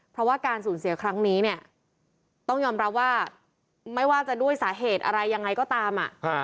เพราะว่าการสูญเสียครั้งนี้เนี่ยต้องยอมรับว่าไม่ว่าจะด้วยสาเหตุอะไรยังไงก็ตาม